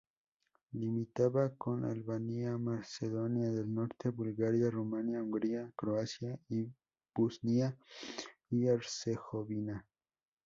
Limitaba con Albania, Macedonia del Norte, Bulgaria, Rumania, Hungría, Croacia y Bosnia y Herzegovina.